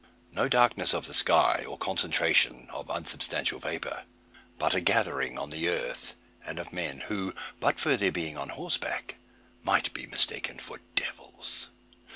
No darkness of the sky, or concentration of unsubstantial vapour. But a gathering on the earth, and of men; who, but for their being on horseback, might be mistaken for devils.